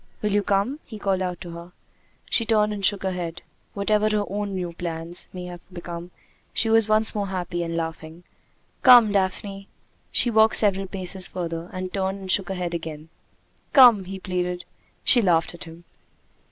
"Will you come?" he called out to her. She turned and shook her head. Whatever her own new plans may have become, she was once more happy and laughing. "Come, Daphne!" She walked several paces further and turned and shook her head again. "Come!" he pleaded. She laughed at him.